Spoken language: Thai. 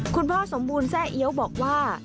คุณพ่อสมบูรณแทร่เอี๊ยวบอกว่า